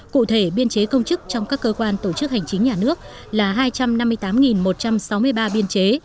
cụ thể biên chế công chức trong các cơ quan tổ chức hành chính nhà nước là hai trăm năm mươi tám một trăm sáu mươi ba biên chế